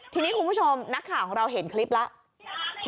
ทีนี้คุณผู้ชมนักข่าวของเราเห็นคลิปแล้ว